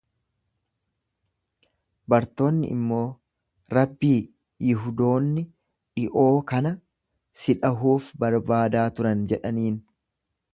Bartoonni immoo, Rabbii, Yihudoonni dhi'oo kana si dhahuuf barbaadaa turan jedhaniin.